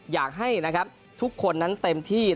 อยากให้ทุกคนนั้นเต็มที่